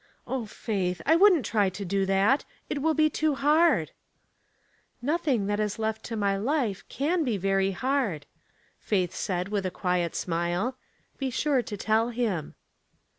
''O Faith! I wouldn't try to do that; it will be too hard." "Nothing that is left to my life can be very hard," Faith said, with a quiet smile. *' Be sure to tell him."